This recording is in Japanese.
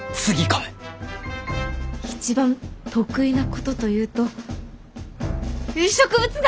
一番得意なことというと植物画！